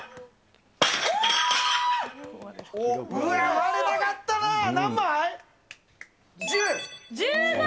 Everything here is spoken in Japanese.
割れなかったな、何枚？